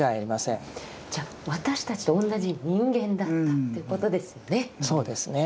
じゃ私たちとおんなじ人間だったということですよね。